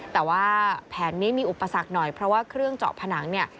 แต่ว่าแผนนี้มีอุปสรรคหน่อยเพราะว่าเครื่องเจาะผนังเนี่ย